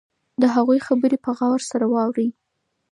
د هغوی خبرې په غور سره واورئ.